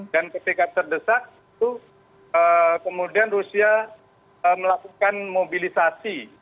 dan ketika terdesak itu kemudian rusia melakukan mobilisasi